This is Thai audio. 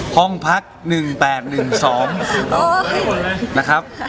ห้องพัก๑๘๑๒นะครับ